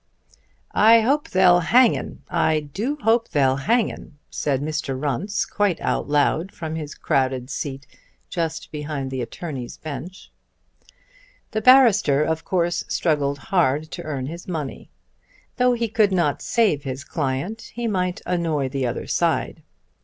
"I hope they'll hang 'un. I do hope they'll hang 'un," said Mr. Runce quite out loud from his crowded seat just behind the attorney's bench. The barrister of course struggled hard to earn his money. Though he could not save his client he might annoy the other side.